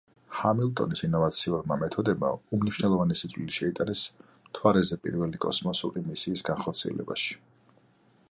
ჰამილტონის ინოვაციურმა მეთოდებმა უმნიშვნელოვანესი წვლილი შეიტანეს მთვარეზე პირველი კოსმოსური მისიის განხორციელებაში.